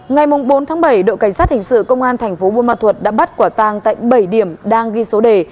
ngày bốn bảy đội cảnh sát hình sự công an thành phố buôn ma thuật đã bắt quả tang tại bảy điểm đang ghi số đề